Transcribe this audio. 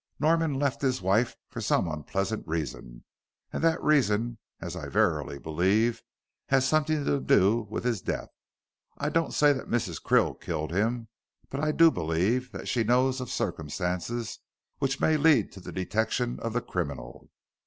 Norman left his wife for some unpleasant reason, and that reason, as I verily believe, has something to do with his death. I don't say that Mrs. Krill killed him, but I do believe that she knows of circumstances which may lead to the detection of the criminal."